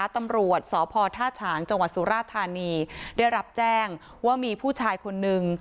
ตำรวจสภธาชางจสุราธานีได้รับแจ้งว่ามีผู้ชายคนนึง